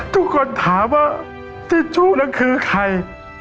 ทุกคนถามว่าที่ชูแล้วก็คือใคร